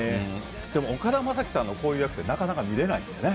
でも岡田将生さんのこういう役ってなかなか見れないよね。